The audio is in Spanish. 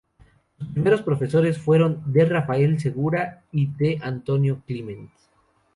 Sus primeros profesores fueron D. Rafael Segura y D. Antonio Climent.